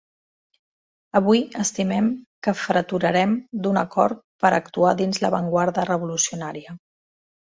Avui estimem que freturarem d'un acord per a actuar dins l'avantguarda revolucionària.